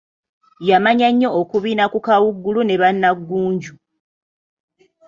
Yamanya nnyo okubina ku Kawuugulu ne Banna-ggunju.